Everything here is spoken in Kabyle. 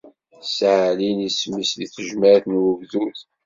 Ssaɛlin isem-is di tejmaɛt n ugdud.